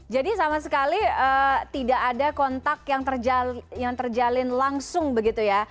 jadi sama sekali tidak ada kontak yang terjalin langsung begitu ya